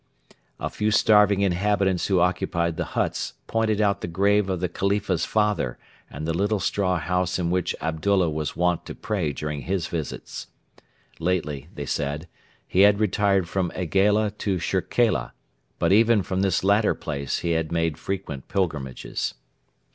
A few starving inhabitants who occupied the huts pointed out the grave of the Khalifa's father and the little straw house in which Abdullah was wont to pray during his visits. Lately, they said, he had retired from Aigaila to Shirkela, but even from this latter place he had made frequent pilgrimages.